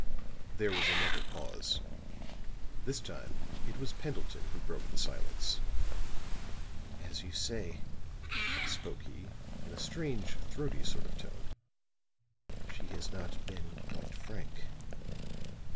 There was another pause; this time it was Pendleton who broke the silence. "As you say," spoke he, in a strange, throaty sort of tone, "she has not been quite frank.